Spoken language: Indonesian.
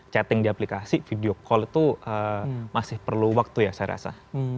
chatting di aplikasi video call itu masih perlu waktu ya saya rasa